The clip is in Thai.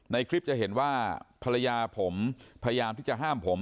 ในคลิปจะเห็นว่าภรรยาผมพยายามที่จะห้ามผม